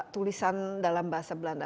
tulisan dalam bahasa belanda